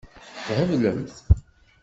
Theblemt.